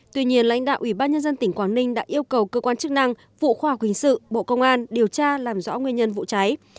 tuy nhiên lãnh đạo ủy ban nhân dân tỉnh quảng ninh đã yêu cầu cơ quan chức năng vụ khoa học hình sự bộ công an điều tra làm rõ nguyên nhân vụ cháy